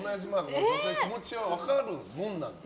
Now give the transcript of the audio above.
気持ちは分かるもんなんですか？